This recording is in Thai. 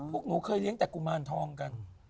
พวกหนูเคยเลี้ยงแต่กุมารทองกัน